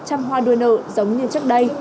trăm hoa đuôi nợ giống như trước đây